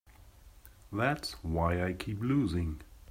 That's why I keep losing.